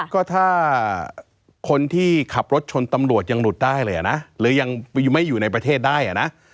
ก็ถ้าคนที่ขับรถชนตำรวจยังหลุดได้เลยนะหรือยังไม่อยู่ในประเทศได้อ่ะนะ